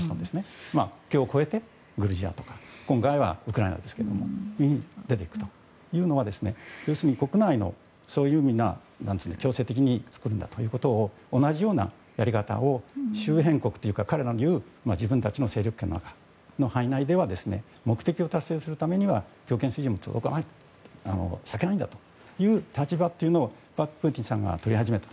国境を越えてグルジアとか今回はウクライナですけれども出ていくというのは要するに、国内の強制的につくんだということを同じようなやり方を周辺国というか、彼らの言う自分たちの勢力圏の範囲内では目的を達成するためには強権政治を続けるという立場というのをプーチンさんが取り始めた。